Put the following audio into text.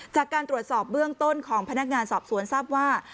จากการตรวจสอบเบื้องต้นของพนักงานสอบสวนทราบว่า